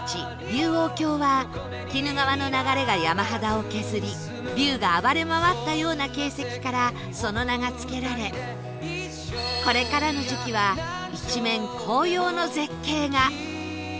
龍王峡は鬼怒川の流れが山肌を削り龍が暴れ回ったような形跡からその名が付けられこれからの時期は一面紅葉の絶景が